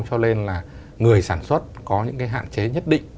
cho nên là người sản xuất có những cái hạn chế nhất định